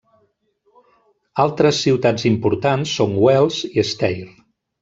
Altres ciutats importants són Wels i Steyr.